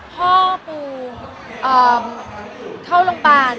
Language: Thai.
พ่อปูเข้าโรงพยาบาล